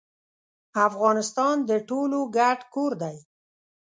افغانستان د ټولو ګډ کور دي.